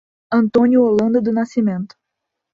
Antônio Holanda do Nascimento